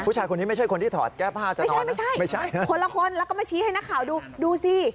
ผู้ชายคนนี้ไม่ใช่คนที่ถอดแก้ผ้าจะนอนนะใช่ไม่ใช่นะคนละคนแล้วก็มาชี้ให้นักข่าวดูดูสิ